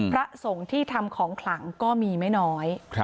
พระสงฆ์ที่ทำของขลังก็มีไม่น้อย